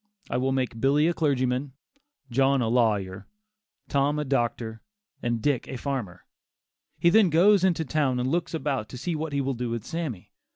I will make Billy a clergyman; John a lawyer; Tom a doctor, and Dick a farmer." He then goes into town and looks about to see what he will do with Sammy.